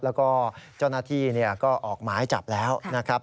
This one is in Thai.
แล้วก็เจ้าหน้าที่ก็ออกหมายจับแล้วนะครับ